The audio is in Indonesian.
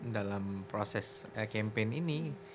dalam proses campaign ini